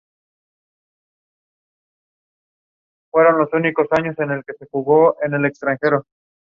Esto será muy importante de cara al modo multijugador.